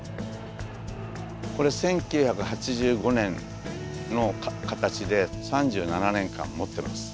これ１９８５年の形で３７年間もってます